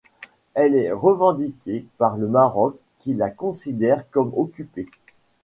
Elle est revendiquée par le Maroc qui la considère comme occupée.